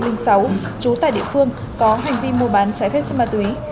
trú tại địa phương có hành vi mua bán trái phép chất ma túy